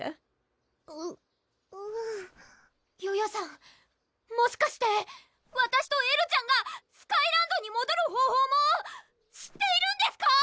ううんヨヨさんもしかしてわたしとエルちゃんがスカイランドにもどる方法も知っているんですか？